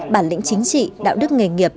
bản lĩnh chính trị đạo đức nghề nghiệp